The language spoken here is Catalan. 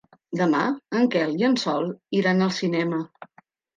Demà en Quel i en Sol iran al cinema.